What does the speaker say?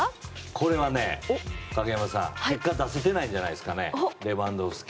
これはね、影山さん結果出せてないんじゃないですかね